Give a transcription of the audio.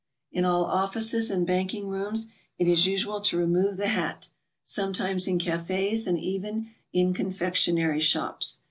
In all offices and banking rooms it is usual to remove the hat; sometimes in cafes and even in confectionery shops.